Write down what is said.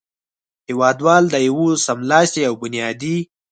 هېوادوال د یوه سملاسي او بنیادي